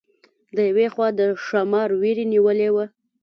د یوې خوا د ښامار وېرې نیولې وه.